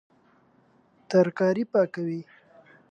ترکاري پاکوي